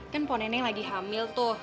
kan ampun neneng lagi hamil tuh